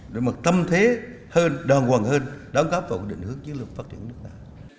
để một tâm thế đoàn hoàng hơn đón góp vào định hướng chế lực phát triển nước ta